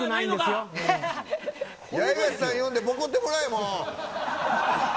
八重樫さん呼んでぼこってもらえ。